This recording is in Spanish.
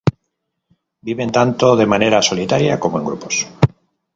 Viven tanto de manera solitaria como en grupos.